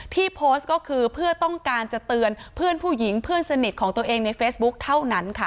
ที่โพสต์ก็คือเพื่อต้องการจะเตือนเพื่อนผู้หญิงเพื่อนสนิทของตัวเองในเฟซบุ๊คเท่านั้นค่ะ